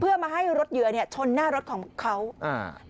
เพื่อมาให้รถเหยื่อชนหน้ารถของเขาอ่า